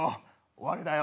終わりだよ。